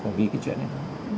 vì cái chuyện này thôi